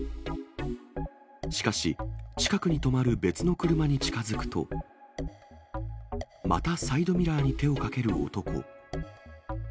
しかし、近くに止まる別の車に近づくと、また、サイドミラーに手をかける男。